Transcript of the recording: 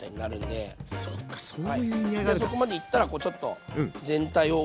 でそこまでいったらこうちょっと全体を。